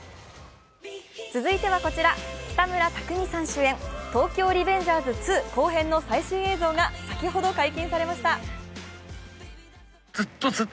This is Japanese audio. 続いてはこちら、北村匠海さん主演「東京リベンジャーズ２」後編の最新映像が先ほど解禁されました。